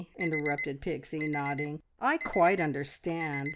interrupted Pixie, nodding. "I quite understand."